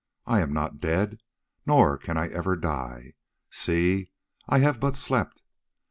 I am not dead, nor can I ever die. See, I have but slept!